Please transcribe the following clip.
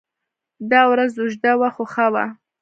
دا ورځ اوږده وه خو ښه وه.